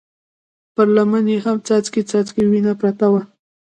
پر لمن يې هم څاڅکی څاڅکی وينه پرته وه.